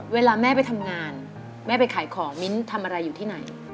เวลาแม่ไปทำงานแม่ไปขายของมิ้นทำอะไรอยู่ที่ไหน